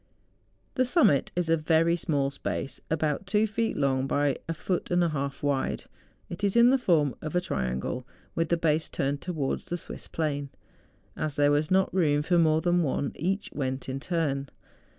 The summit is a very small space, about two feet long by a foot and a half wide. It is in the form of a triangle, with the base turned towards the Swiss plain. As there was not room for more than one, each went in turn.